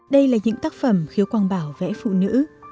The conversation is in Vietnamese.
đây là những tác phẩm khiếu quang bảo vẽ phụ nữ